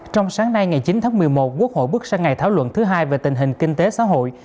trong sáng nay ngày chín tháng một mươi một quốc hội bước sang ngày thảo luận thứ hai về tình hình kinh tế xã hội